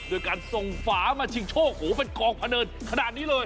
โดยการส่งฝามาชิงโชคโหเป็นกองพะเนินขนาดนี้เลย